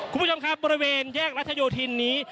คุณผู้ชมครับบริเวณแยกรัชโยธินนี้